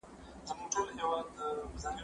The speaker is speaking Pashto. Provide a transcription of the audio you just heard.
زه له سهاره سبزېجات جمع کوم!